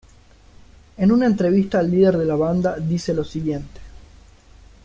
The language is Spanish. En una entrevista al líder de la banda dice lo siguiente.